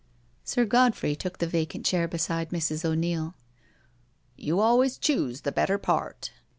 Sir Godfrey took the vacant chair beside Mrs. O'Neil. " You always choose the better part."